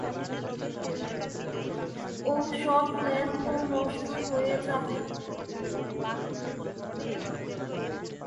ওহ, সব প্ল্যান তো নষ্ট হয়ে যাবে।